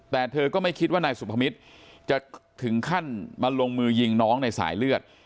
แต่เธอก็ไม่คิดว่านายสุภมิตรจะถึงขั้นมาลงมือยิงน้องในสายเลือด